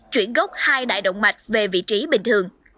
chuyển gốc hai đại động mạch về vị trí bình thường